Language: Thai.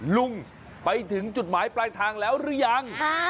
ลุงไปถึงจุดหมายปลายทางแล้วหรือยัง